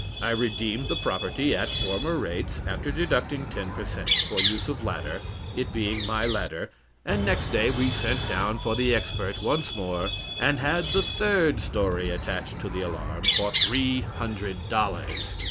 I redeemed the property at former rates, after deducting ten per cent. for use of ladder, it being my ladder, and, next day we sent down for the expert once more, and had the third story attached to the alarm, for three hundred dollars.